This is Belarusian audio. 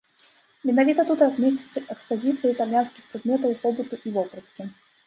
Менавіта тут размесціцца экспазіцыя італьянскіх прадметаў побыту і вопраткі.